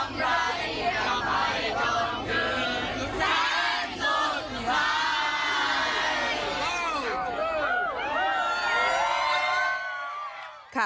ก็ไปจนคืนแสนสุดท้าย